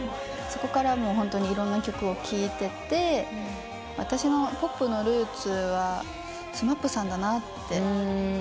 そこからホントにいろんな曲を聴いてって私のポップのルーツはＳＭＡＰさんだなって。